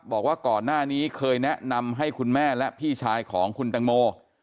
บอกว่าก่อนหน้านี้เคยแนะนำให้คุณแม่และพี่ชายของคุณตังโม